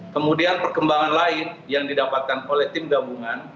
kemudian perkembangan lain yang didapatkan oleh tim gabungan